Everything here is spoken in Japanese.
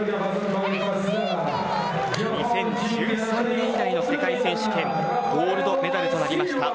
２０１３年以来の世界選手権ゴールドメダルとなりました。